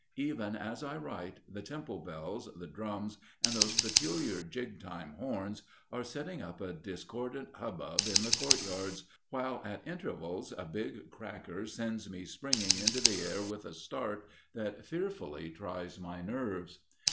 Even as I write the temple bells, the drums, and those peculiar jig time horns are setting up a discordant hubbub in the courtyards, while at intervals a big cracker sends me springing into the air with a start that fearfully tries my nerves.